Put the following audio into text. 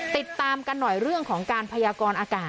ติดตามกันหน่อยเรื่องของการพยากรอากาศ